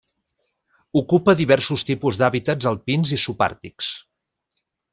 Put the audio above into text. Ocupa diversos tipus d'hàbitats alpins i subàrtics.